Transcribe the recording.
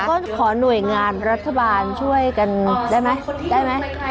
ก็ขอหน่วยงานรัฐบาลช่วยกันได้ไหมได้ไหม